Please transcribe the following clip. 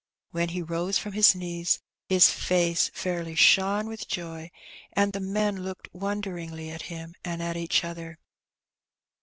When he rose from his knees his face Mrly shone with joy, and the men looked wonderingly at him and at each other.